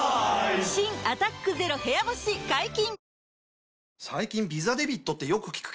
新「アタックＺＥＲＯ部屋干し」解禁‼